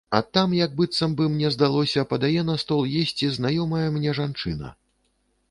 А там як быццам бы, мне здалося, падае на стол есці знаёмая мне жанчына.